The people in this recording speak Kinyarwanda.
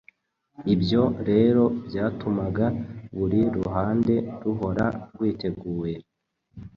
Ibyo rero byatumaga buri ruhande ruhora rwiteguye.